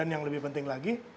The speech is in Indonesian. yang lebih penting lagi